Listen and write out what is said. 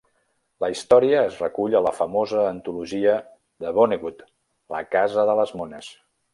La història es recull a la famosa antologia de Vonnegut "La casa de les mones".